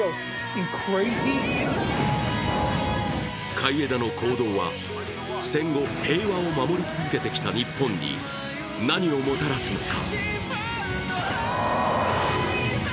海江田の行動は、戦後、平和を守り続けてきた日本に何をもたらすのか？